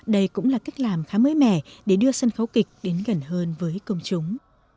đây cũng là cách làm khá mới mẻ để đưa sân khấu kịch đến gần hơn với công chúng